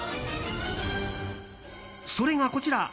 それが、こちら。